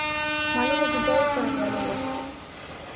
Malos resultados para os galegos.